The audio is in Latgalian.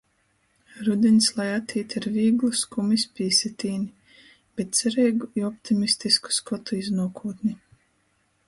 Rudiņs lai atīt ar vīglu skumis pīsitīni, bet cereigu i optimistisku skotu iz nuokūtni...